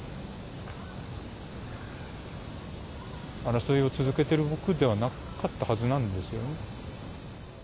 争いを続けている僕ではなかったはずなんですよね。